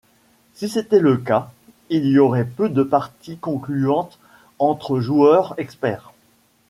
Si c’était le cas, il y aurait peu de parties concluantes entre joueurs experts.